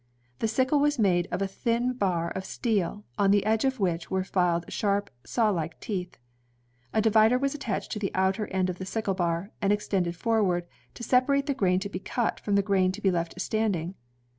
The sickle was made of a thin bar of steel, on the edge of which were filed shaip, saw like teeth. A divider was attached to the outer end of the sickle bar, and extended forward, to separate the gram to be cut from the grain to be left stand ing.